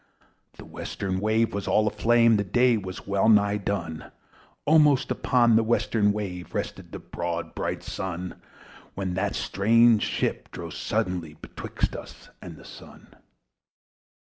The western wave was all a flame The day was well nigh done! Almost upon the western wave Rested the broad bright Sun; When that strange shape drove suddenly Betwixt us and the Sun.